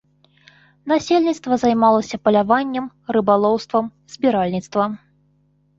Насельніцтва займалася паляваннем, рыбалоўствам, збіральніцтвам.